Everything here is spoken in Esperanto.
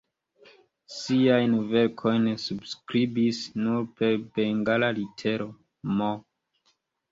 Siajn verkojn subskribis nur per bengala litero "M".